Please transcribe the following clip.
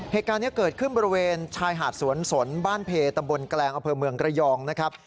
เหตุการณ์นี้เกิดขึ้นบริเวณชายหาดสวนสนบ้านเพตำบลแกลงอำเภอเมืองระยองนะครับ